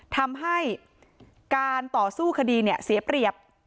ทำให้การต่อสู้คดีเนี่ยเสียเปรียบ